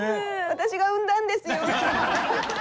私が産んだんですよ。